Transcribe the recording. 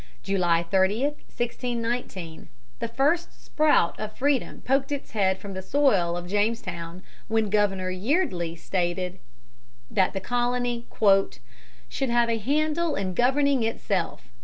July 30, 1619, the first sprout of Freedom poked its head from the soil of Jamestown when Governor Yeardley stated that the colony "should have a handle in governing itself."